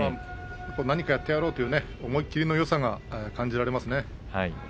何かやってやろうという思い切りのよさが感じられますね。